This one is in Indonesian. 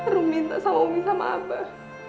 rum minta sama umi sama abah